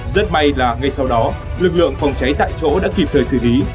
rất may là ngay sau đó lực lượng phòng cháy tại chỗ đã kịp thời xử lý